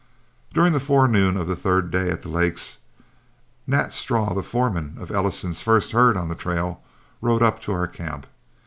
During the forenoon of the third day at the lakes, Nat Straw, the foreman of Ellison's first herd on the trail, rode up to our camp.